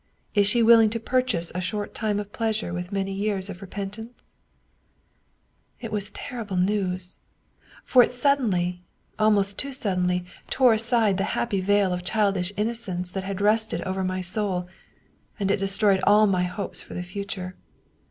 Is she willing to purchase a short time of pleasure with many years of repentance ?'" It was terrible news, for it suddenly, almost too sud denly, tore aside the happy veil of childish innocence that had rested over my soul and it destroyed all my hopes for the future.